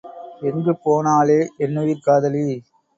எங்கு போனாளே என்னுயிர்க் காதலி!